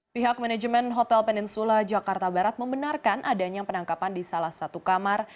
pihak manajemen hotel peninsula jakarta barat membenarkan adanya penangkapan di salah satu kamar